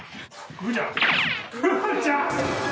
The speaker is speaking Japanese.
ぶーちゃん！